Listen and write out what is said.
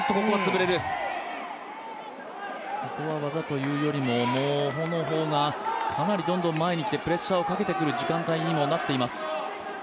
ここは技というよりもホのほうが前にきてプレッシャーをかけてくる時間帯になっています。